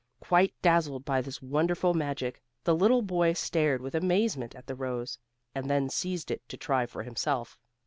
Quite dazzled by this wonderful magic the little boy stared with amazement at the rose, and then seized it to try for himself.